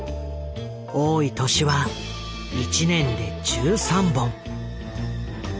多い年は１年で１３本！